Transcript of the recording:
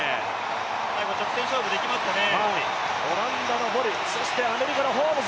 最後直線勝負できますかね。